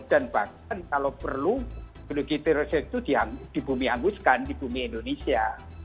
dan bahkan kalau perlu peneliti teroris itu di bumi angus kan di bumi indonesia